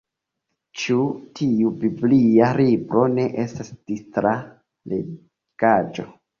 Ĉi tiu biblia libro ne estas distra legaĵo.